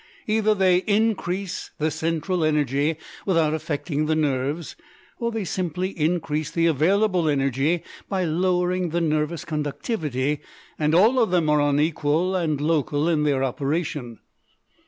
"Either they increase the central energy without affecting the nerves or they simply increase the available energy by lowering the nervous conductivity; and all of them are unequal and local in their operation.